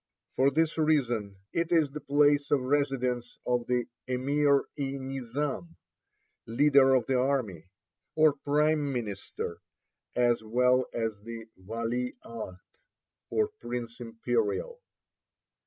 For this reason it is the place of residence of the Emir e Nizam (leader of the army), or prime minister, as well as the Vali Ahd, or Prince Imperial.